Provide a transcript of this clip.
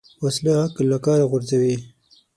وسله عقل له کاره غورځوي